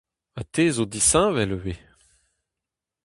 Ha te zo disheñvel ivez !